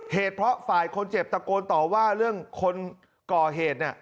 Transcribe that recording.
เหตุเพราะฝ่ายคนเจ็บตะโกนต่อว่าเรื่องคนก่อเหตุเนี่ย